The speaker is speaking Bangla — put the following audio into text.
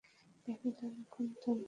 ব্যাবিলন এখন ধ্বংস স্তুপ।